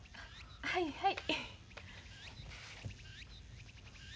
はいはい。